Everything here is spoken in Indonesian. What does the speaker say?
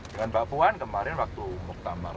dengan mbak puan kemarin waktu muktamar